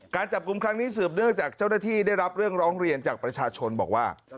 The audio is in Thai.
การจับกลุ่มครั้งนี้สืบเนื่องจากเจ้าหน้าที่ได้รับเรื่องร้องเรียนจากประชาชนบอกว่า